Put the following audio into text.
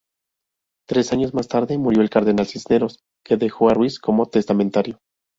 Tres años más tarde murió el cardenal Cisneros, que dejó a Ruiz como testamentario.